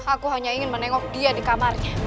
aku hanya ingin menengok dia di kamarnya